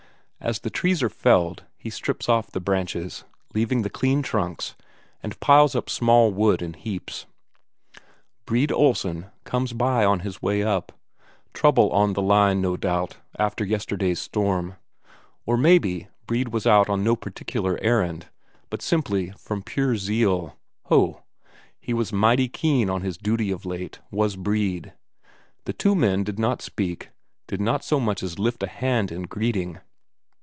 As the trees are felled, he strips off the branches, leaving the clean trunks, and piles up the small wood in heaps. Brede Olsen comes by on his way up trouble on the line, no doubt, after yesterday's storm. Or maybe Brede was out on no particular errand, but simply from pure zeal ho, he was mighty keen on his duty of late, was Brede! The two men did not speak, did not so much as lift a hand in greeting.